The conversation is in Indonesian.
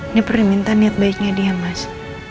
ini permintaan niat baiknya dia mas